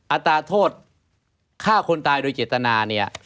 อัตราโทษฆ่าคนตายโดยเจตนาเนี่ย